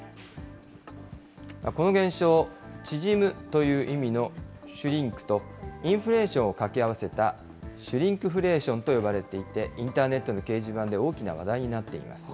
この現象、縮むという意味のシュリンクと、インフレーションを掛け合わせたシュリンクフレーションと呼ばれていて、インターネットの掲示板で大きな話題になっています。